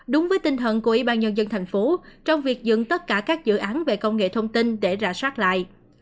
đúng với tinh thần của ủy ban nhân dân thành phố trong việc dừng tất cả các dự án về công nghệ thông tin để rạ sát lại